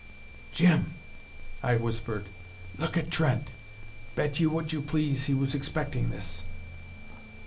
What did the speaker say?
"Jim," I whispered, "look at Trent. Bet you what you please he was expecting this."